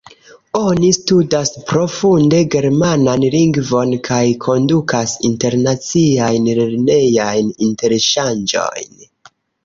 Oni studas profunde germanan lingvon kaj kondukas internaciajn lernejajn interŝanĝojn.